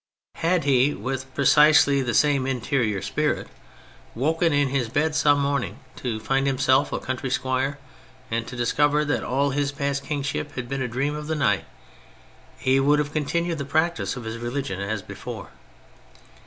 Had he, with precisely the same interior spirit, woken in his bed some morning to find himself a country squire, and to discover that all his past kingship had been a dream of the night, he would have continued the practice of his religion as before.